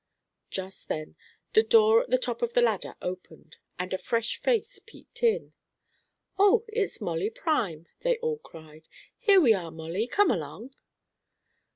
Just then the door at the top of the ladder opened, and a fresh face peeped in. "Oh, it's Molly Prime," they all cried. "Here we are, Molly, come along."